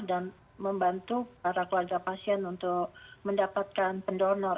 dan membantu para keluarga pasien untuk mendapatkan pendonor